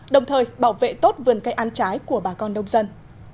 đồng thời bảo vệ tốt vườn cây ăn trái của bà con nông dân